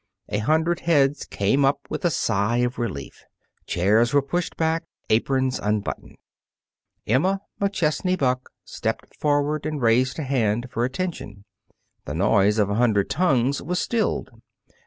A hundred heads came up with a sigh of relief. Chairs were pushed back, aprons unbuttoned. Emma McChesney Buck stepped forward and raised a hand for attention. The noise of a hundred tongues was stilled.